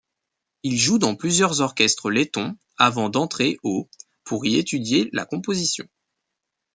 Il joue dans plusieurs orchestres lettons avant d'entrer au pour y étudier la composition.